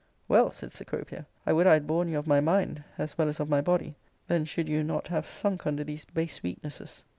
^^" Well, said Cecropia, " I would I had borne you mind as well as of my body; then should you not sunk under these base weaknesses.